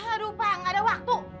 aduh pak nggak ada waktu